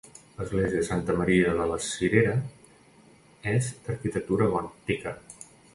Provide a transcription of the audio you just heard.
L'església de Santa Maria de la Cirera és d'arquitectura gòtica.